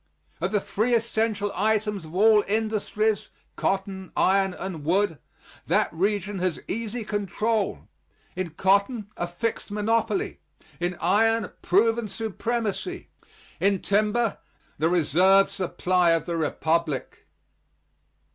Of the three essential items of all industries cotton, iron and wood that region has easy control. In cotton, a fixed monopoly in iron, proven supremacy in timber, the reserve supply of the Republic.